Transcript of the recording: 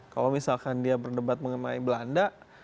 kalau misalkan dia berdebat mengenai belanda